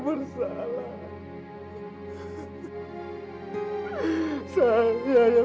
berapa kali dia